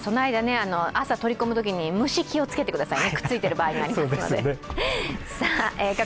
朝、取り込むときに虫、気をつけてくださいね。